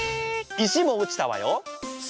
石も落ちたわよ。